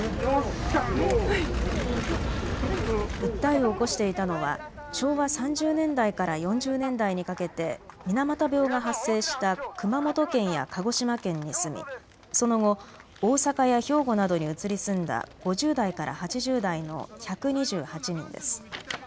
訴えを起こしていたのは昭和３０年代から４０年代にかけて水俣病が発生した熊本県や鹿児島県に住みその後、大阪や兵庫などに移り住んだ５０代から８０代の１２８人です。